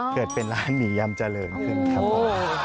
เกิดเป็นร้านหมี่ยำเจริญขึ้นครับผม